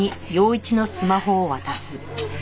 あっ！